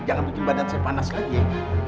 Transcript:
jangan bikin badan saya panas lagi